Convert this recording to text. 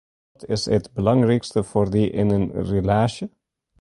Wat is it belangrykste foar dy yn in relaasje?